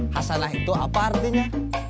khasanah itu apa artinya